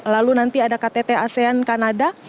lalu nanti ada ktt asean kanada